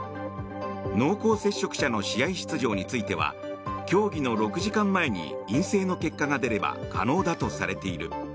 濃厚接触者の試合出場については競技の６時間前に陰性の結果が出れば可能だとされている。